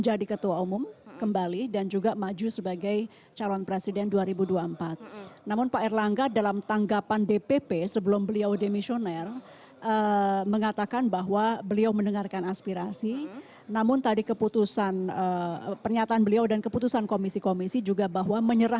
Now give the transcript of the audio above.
jadi itu menunggu waktu yang tepat untuk mencalonkan diri sendiri